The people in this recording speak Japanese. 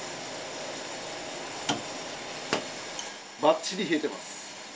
ばっちり冷えてます。